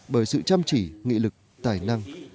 bởi sự chăm chỉ nghị lực tài năng